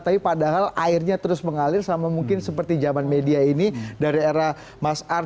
tapi padahal airnya terus mengalir sama mungkin seperti zaman media ini dari era mas ars